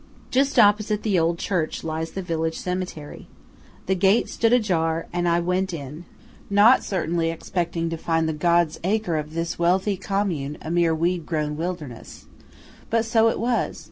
Just opposite the old church lies the village cemetery. The gate stood ajar, and I went in–not certainly expecting to find the "God's Acre" of this wealthy commune a mere weedgrown wilderness. But so it was.